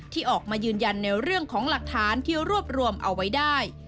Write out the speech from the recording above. ที่ออกมายืนยันในเรื่องของหลักฐานที่รวบรวมเอาไว้ได้